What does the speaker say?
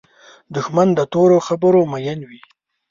دښمن د تورو خبرو مین وي